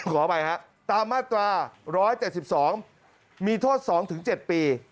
ขออภัยฮะตามมาตรา๑๗๒มีโทษ๒๗ปี